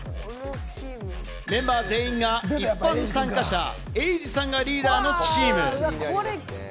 メンバー全員が一般参加者、エイジさんがリーダーのチーム。